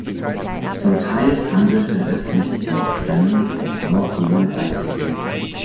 Zum Teil handelte es sich um Stämme von sommergrünen Eichen.